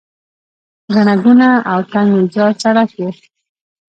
ګڼه ګوڼه او تنګ ویجاړ سړک و.